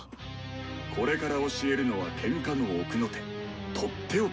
これから教えるのはケンカの奥の手とっておき！